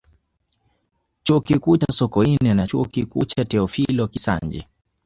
Chuo Kikuu cha Sokoine na Chuo Kikuu cha Teofilo Kisanji